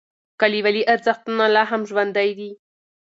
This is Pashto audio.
کلیوالي ارزښتونه لا هم ژوندی دي.